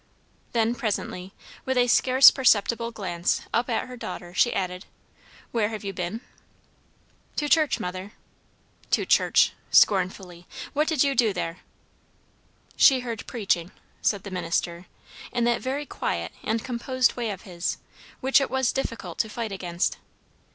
Then presently, with a scarce perceptible glance up at her daughter, she added, "Where have you been?" "To church, mother." "To church!" scornfully. "What did you do there?" "She heard preaching," said the minister, in that very quiet and composed way of his, which it was difficult to fight against.